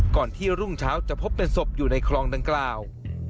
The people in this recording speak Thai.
ก่อนที่รุ่งเช้าจะพบเป็นศพอยู่ในคลองดังกล่าว